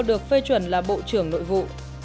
được phê chuẩn là bộ trưởng nội vụ